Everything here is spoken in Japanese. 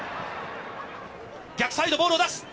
逆サイド、ボールを出す。